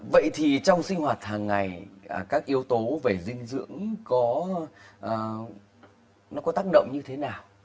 vậy thì trong sinh hoạt hàng ngày các yếu tố về dinh dưỡng có tác động như thế nào